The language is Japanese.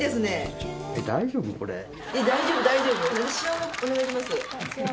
大丈夫大丈夫。